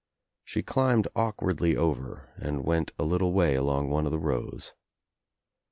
She climbed awkwardly over and went a little way along one of the rows.